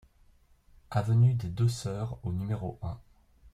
Avenue des Deux Sœurs au numéro un